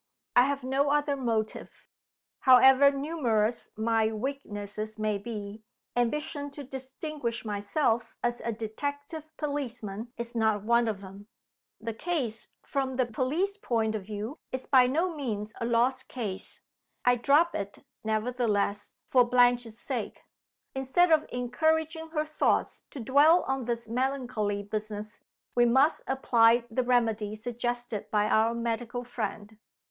I have no other motive. However numerous my weaknesses may be, ambition to distinguish myself as a detective policeman is not one of them. The case, from the police point of view, is by no means a lost case. I drop it, nevertheless, for Blanche's sake. Instead of encouraging her thoughts to dwell on this melancholy business, we must apply the remedy suggested by our medical friend."